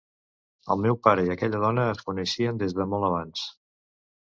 El meu pare i aquella dona es coneixien des de molt abans.